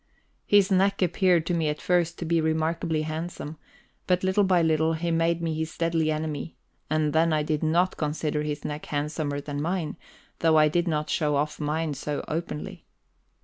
His neck appeared to me at first to be remarkably handsome; but little by little he made me his deadly enemy, and then I did not consider his neck handsomer than mine, though I did not show off mine so openly.